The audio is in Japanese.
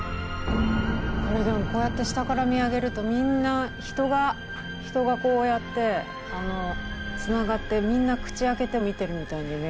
でもこうやって下から見上げるとみんな人が人がこうやってつながってみんな口開けて見てるみたいに見えません？